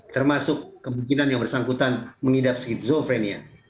termasuk kemungkinan yang bersangkutan mengidap skizofrenia